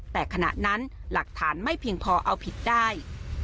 แต่ขณะนั้นหลักฐานไม่เพียงพอเอาผิดได้